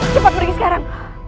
cepat pergi sekarang